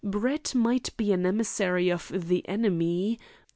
Brett might be an emissary of the enemy.